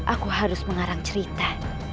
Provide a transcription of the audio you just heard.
aku harus mengarang cerita